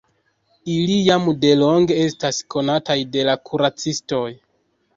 Ili jam delonge estas konataj de la kuracistoj.